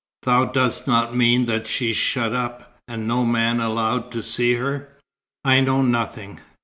"Thou dost not mean that she's shut up, and no man allowed to see her?" "I know nothing.